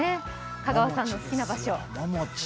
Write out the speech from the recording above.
香川さんの好きな場所。